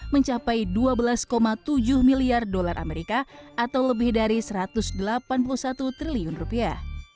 mencapai dua belas tujuh miliar dolar amerika atau lebih dari satu ratus delapan puluh satu triliun rupiah